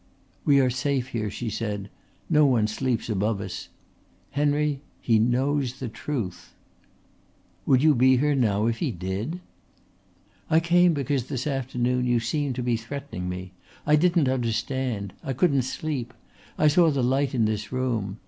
"We are safe here," she said. "No one sleeps above us. Henry, he knows the truth." "Would you be here now if he did?" "I came because this afternoon you seemed to be threatening me. I didn't understand. I couldn't sleep. I saw the light in this room.